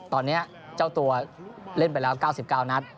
ตอนนี้เจ้าตัวเล่นไปแล้ว๙๙นัด